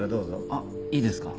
あっいいですか？